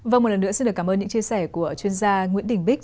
vâng một lần nữa xin được cảm ơn những chia sẻ của chuyên gia nguyễn đình bích